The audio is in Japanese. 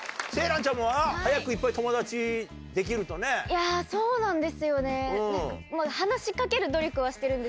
いやそうなんですよね。